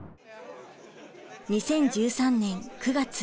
２０１３年９月。